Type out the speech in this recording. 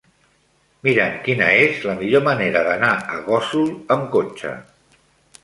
Mira'm quina és la millor manera d'anar a Gósol amb cotxe.